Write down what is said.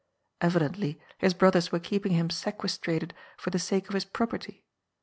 Evidently his brothers were keeping him sequestrated for the sake of his property.